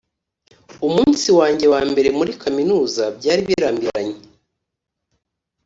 umunsi wanjye wambere muri kaminuza byari birambiranye.